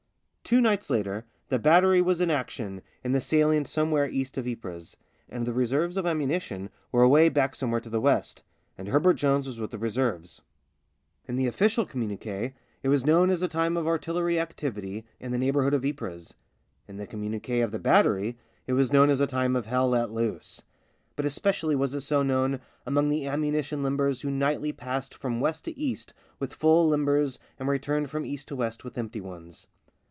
Two nights later the battery was in action in the salient 5 66 THE BLACK SHEEP somewhere east of Ypres, and the reserves of ammunition were away back somewhere to the west, and Herbert Jones was with the reserves. In the official communiques it was known as a time of artillery activity in the neighbour hood of Ypres : in the communiques of the battery it was known as a time of hell let loose ; but especially was it so known among the ammunition limbers who nightly passed from west to east with full limbers and re turned from east to west with empty ones.